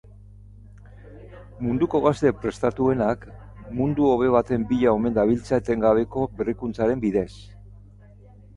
Munduko gazte prestatuenak mundu hobe baten bila omen dabiltza etengabeko berrikuntzaren bidez.